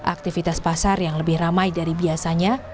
aktivitas pasar yang lebih ramai dari biasanya